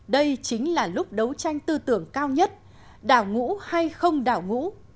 đây chính là lúc đấu tranh tư tưởng cao nhất đảo ngũ hay không đảo ngũ